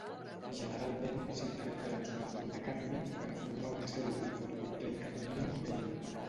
Generalment s'intercala amb sulfur de cadmi per a formar una cèl·lula fotovoltaica d'unió pn.